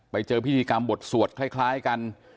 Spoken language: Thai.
ไปเจอพิธีกรรมบทสวดคล้ายกัน